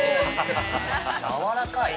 やわらかい。